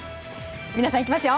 皆さんいきますよ。